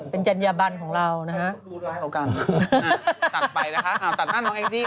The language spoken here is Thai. เป็นเจรนยาบันของเรานะฮะ